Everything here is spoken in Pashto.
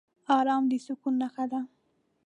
ارام د سکون نښه ده.